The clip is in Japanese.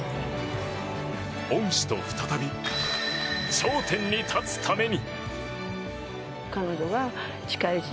恩師と再び頂点に立つために。